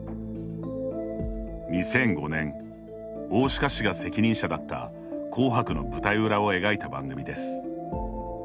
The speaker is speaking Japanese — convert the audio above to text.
２００５年大鹿氏が責任者だった紅白の舞台裏を描いた番組です。